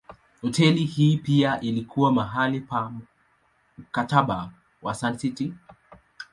Hoteli hii pia ilikuwa mahali pa Mkataba wa Sun City.